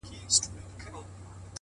o ورته شعرونه وايم؛